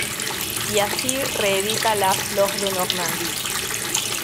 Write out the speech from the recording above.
Y así reedita la "Flore de Normandie".